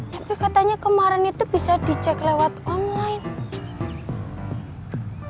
tapi katanya kemarin itu bisa dicek lewat online